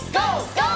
ＧＯ！